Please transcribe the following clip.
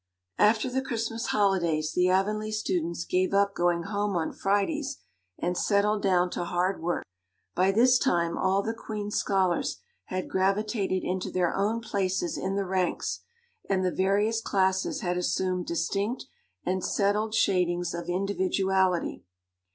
After the Christmas holidays the Avonlea students gave up going home on Fridays and settled down to hard work. By this time all the Queen's scholars had gravitated into their own places in the ranks and the various classes had assumed distinct and settled shadings of individuality.